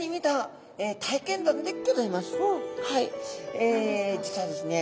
え実はですね